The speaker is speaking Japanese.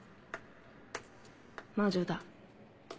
魔女だ。